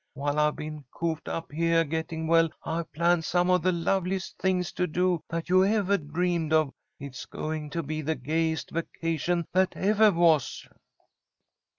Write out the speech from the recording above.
While I've been cooped up heah getting well, I've planned some of the loveliest things to do that you evah dreamed of. It's going to be the gayest vacation that evah was."